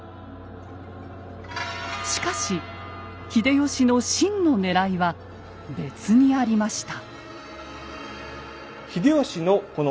しかし秀吉の真のねらいは別にありました。